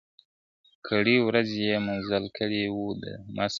کرۍ ورځ یې مزل کړی وو دمه سو `